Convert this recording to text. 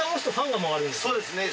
そうですね。